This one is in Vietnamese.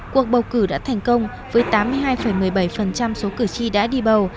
cuộc bầu cử đã thành công với tám mươi hai một mươi bảy số cử tri đã đi bầu